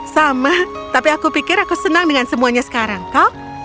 sama tapi aku pikir aku senang dengan semuanya sekarang kau